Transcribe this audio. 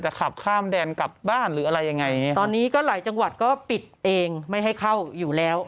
ขับข้ามแดนกลับบ้านหรืออะไรยังไงตอนนี้ก็หลายจังหวัดก็ปิดเองไม่ให้เข้าอยู่แล้ว